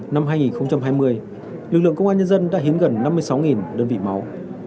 năm hai nghìn hai mươi lực lượng công an nhân dân đã hiến gần năm mươi sáu đơn vị máu